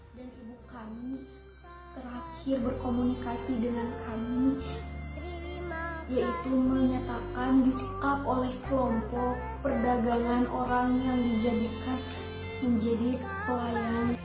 dan ibu kami terakhir berkomunikasi dengan kami yaitu menyatakan disekap oleh kelompok perdagangan orang yang dijadikan menjadi pelayanan